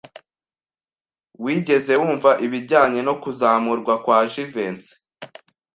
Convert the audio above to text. Wigeze wumva ibijyanye no kuzamurwa kwa Jivency?